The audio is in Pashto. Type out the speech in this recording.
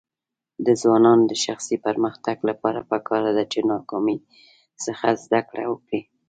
د ځوانانو د شخصي پرمختګ لپاره پکار ده چې ناکامۍ څخه زده کړه وکړي.